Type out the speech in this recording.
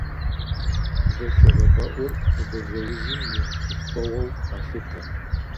Блэшэгъэфӏэӏур ныбажэузым и хущхъуэгъуэу къалъытэ.